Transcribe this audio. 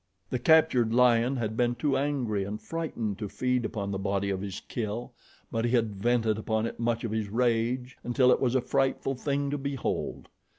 The captured lion had been too angry and frightened to feed upon the body of his kill; but he had vented upon it much of his rage, until it was a frightful thing to behold.